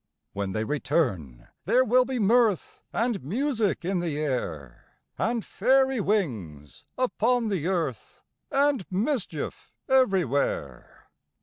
When they return, there will be mirth And music in the air, And fairy wings upon the earth, And mischief everywhere.